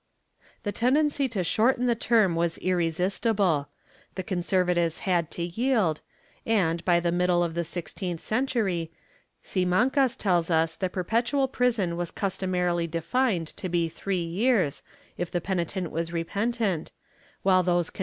^ The tendency to shorten the term was irresistible; the conserv atives had to yield and, by the middle of the sixteenth century, Simancas tells us that perpetual prison was customarily defined to ' Historia de los Reyes Cat61icos, cap.